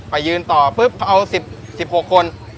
ยืนต่อปุ๊บเขาเอา๑๖คน